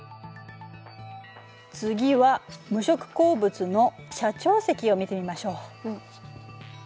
次は無色鉱物の斜長石を見てみましょう。